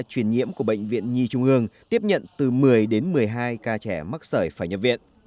truyền nhiễm của bệnh viện nhi trung ương tiếp nhận từ một mươi đến một mươi hai ca trẻ mắc sởi phải nhập viện